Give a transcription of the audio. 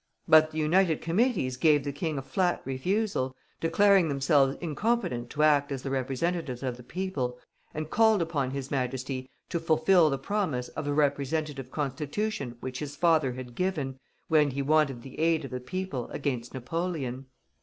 But the united Committees gave the King a flat refusal, declaring themselves incompetent to act as the representatives of the people, and called upon His Majesty to fulfil the promise of a Representative Constitution which his father had given, when he wanted the aid of the people against Napoleon.